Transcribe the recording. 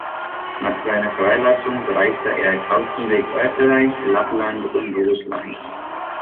Nach seiner Freilassung bereiste er ausgiebig Österreich, Lappland und Russland.